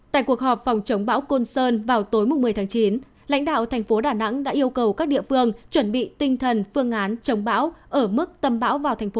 tại cuộc họp phòng chống bão côn sơn vào tối một mươi tháng chín lãnh đạo thành phố đà nẵng đã yêu cầu các địa phương chuẩn bị tinh thần phương án chống bão ở mức tâm bão vào thành phố